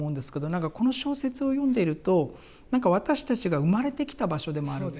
何かこの小説を読んでいると何か私たちが生まれてきた場所でもあるという感じがしますよね。